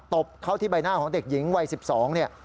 ตบเข้าที่ใบหน้าของเด็กหญิงวัย๑๒เนี่ย